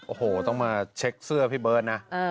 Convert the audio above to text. โอ้โหต้องมาเช็คเสื้อพี่เบิร์ตนะ